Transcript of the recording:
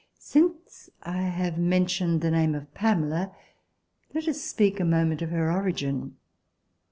Since I have mentioned the name of Pamela, let us speak a moment of her origin.